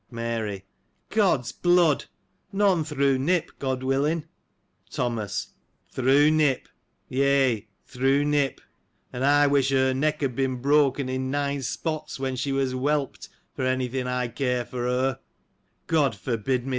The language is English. Mary. — God's blood ! none through Nip — God willing ! Thomas. — Through Nip ! Yea, through Nip ! and I wish her neck had been broken in nine spots^ when she was whelped, for any thing I care for her : (God forgive me